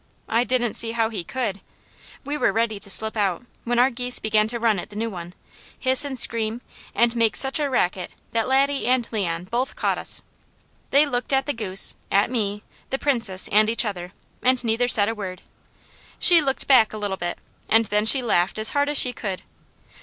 I didn't see how he could! We were ready to slip out, when our geese began to run at the new one, hiss and scream, and make such a racket that Laddie and Leon both caught us. They looked at the goose, at me, the Princess, and each other, and neither said a word. She looked back a little bit, and then she laughed as hard as she could.